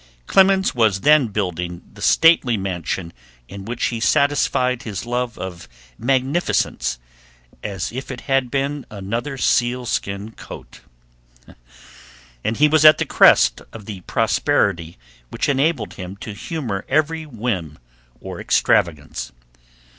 Clemens was then building the stately mansion in which he satisfied his love of magnificence as if it had been another sealskin coat, and he was at the crest of the prosperity which enabled him to humor every whim or extravagance.